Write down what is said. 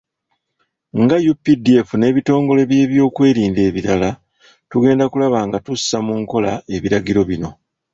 Nga UPDF n'ebitongole by'ebyokwerinda ebirala, tugenda kulaba nga tussa mu nkola ebiragiro bino.